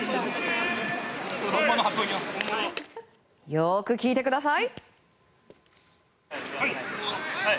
よく聞いてください。